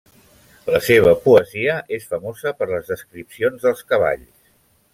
La seva poesia és famosa per les descripcions dels cavalls.